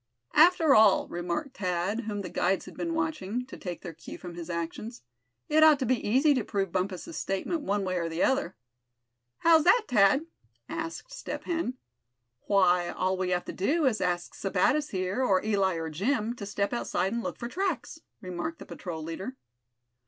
"After all," remarked Thad, whom the guides had been watching, to take their cue from his actions, "it ought to be easy to prove Bumpus' statement one way or the other." "How's that, Thad?" asked Step Hen. "Why, all we have to do is to ask Sebattis here, or Eli, or Jim, to step outside and look for tracks!" remarked the patrol leader.